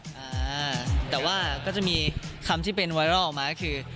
อ่าแต่ว่าก็จะมีคำที่เป็นไวรัลออกมาก็คือ